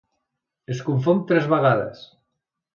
Es confon tres vegades.